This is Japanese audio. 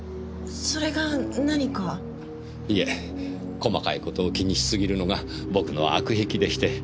細かい事を気にしすぎるのが僕の悪癖でして。